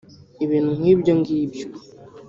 ibintu nk’ibyo ng’ibyo